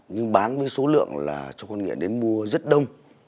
nhưng bán với số lượng là cho quân nghiệp đến mua rất đông